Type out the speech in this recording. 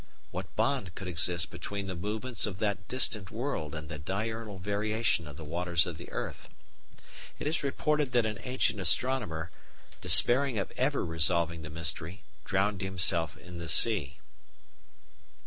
What bond could exist between the movements of that distant world and the diurnal variation of the waters of the earth? It is reported that an ancient astronomer, despairing of ever resolving the mystery, drowned himself in the sea.